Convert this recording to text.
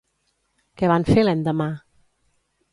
Què van fer l'endemà?